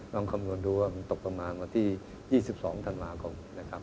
ลองคำนวณดูว่ามันตกต่อมาถึง๒๒ธันวาคม